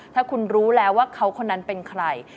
ถ้าคุณรู้แล้วว่าเขาคนนั้นเป็นใคร